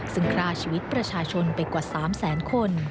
ซึ่งฆ่าชีวิตประชาชนไปกว่า๓แสนคน